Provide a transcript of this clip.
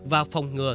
và phòng ngừa